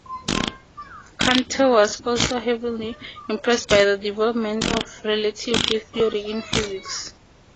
Kantor was also heavily impressed by the development of relativity theory in physics.